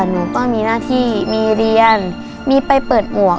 หนูก็มีหน้าที่มีเรียนมีไปเปิดหมวก